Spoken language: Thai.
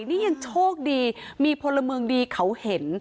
นี่ยังโชคดีมีพลเมืองดีเขาเห็น